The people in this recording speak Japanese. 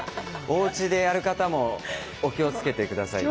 おうちでやる方もお気をつけて下さい。